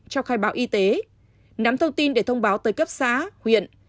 trong khai báo y tế nắm thông tin để thông báo tới cấp xá huyện